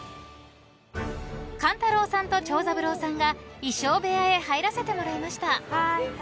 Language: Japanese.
［勘太郎さんと長三郎さんが衣装部屋へ入らせてもらいました］